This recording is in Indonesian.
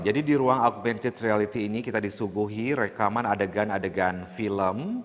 jadi di ruang augmented reality ini kita disuguhi rekaman adegan adegan film